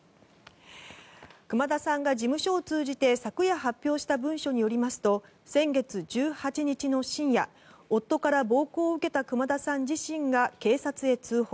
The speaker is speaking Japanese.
熊田さんが事務所を通じて昨夜発表した文書によりますと先月１８日の深夜夫から暴行を受けた熊田さん自身が警察へ通報。